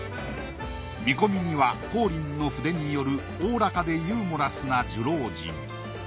見込みには光琳の筆によるおおらかでユーモラスな寿老人。